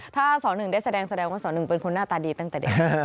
ถ้าส๑ได้แสดงแสดงว่าสหนึ่งเป็นคนหน้าตาดีตั้งแต่เด็ก